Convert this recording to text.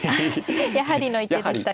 やはりの一手でしたか。